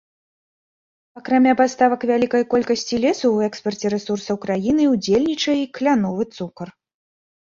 Акрамя паставак вялікай колкасці лесу, у экспарце рэсурсаў краіны ўдзельнічае і кляновы цукар.